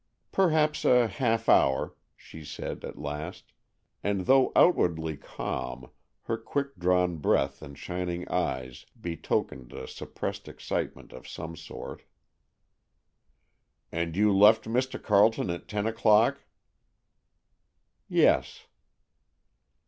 "Perhaps a half hour," she said, at last, and, though outwardly calm, her quickly drawn breath and shining eyes betokened a suppressed excitement of some sort. "And you left Mr. Carleton at ten o'clock?" "Yes."